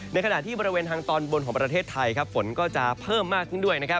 ในขณะที่บริเวณทางตอนบนของประเทศไทยฝนก็จะเพิ่มมากขึ้นด้วยนะครับ